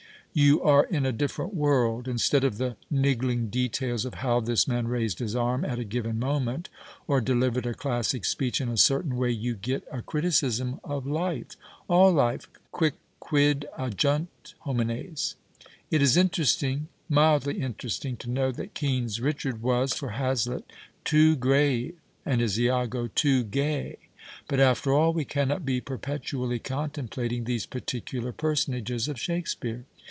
You are in a different world. Instead of the niggling details of how this man raised his arm at a given moment or delivered a classic speech in a certain way you get a criticism of life, all life, qidcquid agiini homines. It is interesting, mildly interesting, to know that Kean's Richard was (for Hazlitt) too 204 WILLIAM HAZLITT grave and his lago too gay, but after all we cannot be perpetuall}^ contemplating these particular per sonages of Shakespeare.